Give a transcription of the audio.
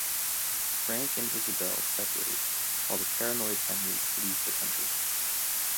Frank and Isabel separate, while the paranoid Henry flees the country.